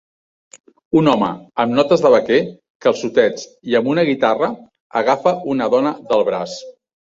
Un home amb notes de vaquer, calçotets i amb una guitarra agafa una dona del braç.